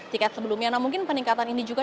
tiket sebelumnya nah mungkin peningkatan ini juga